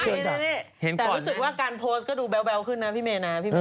แต่รู้สึกว่าการโพสต์ก็ดูแบวขึ้นนะพี่แมะ